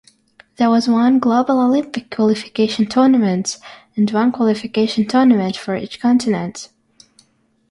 There was one global Olympic Qualification Tournament and one qualification tournament for each continent.